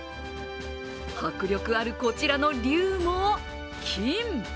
迫力あるこちらの龍も金。